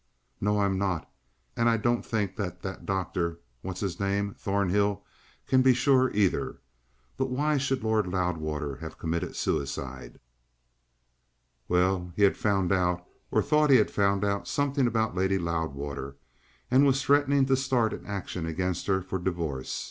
"No, I'm not; and I don't think that that doctor what's his name? Thornhill can be sure either. But why should Lord Loudwater have committed suicide?" "Well, he had found out, or thought he had found out, something about Lady Loudwater, and was threatening to start an action against her for divorce.